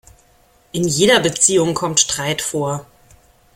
In jeder Beziehung kommt Streit vor.